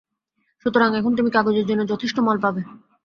সুতরাং এখন তুমি কাগজের জন্য যথেষ্ট মাল পাবে।